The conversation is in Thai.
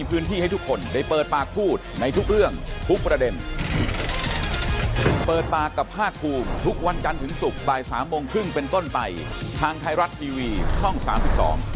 เดี๋ยวฟ้องให้มากกว่าข้าตำแหน่งอีกค่ะที่หักไป